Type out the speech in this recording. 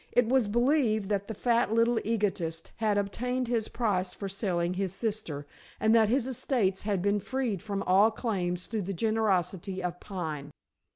It was believed that the fat little egotist had obtained his price for selling his sister, and that his estates had been freed from all claims through the generosity of Pine.